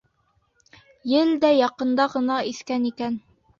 Ел дә яҡында ғына иҫкән икән.